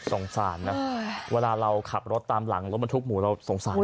สงสารนะเวลาเราขับรถตามหลังรถบรรทุกหมูเราสงสาร